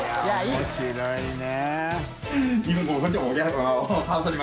面白いね。